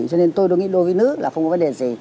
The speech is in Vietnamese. cho nên tôi nghĩ đối với nữ là không có vấn đề gì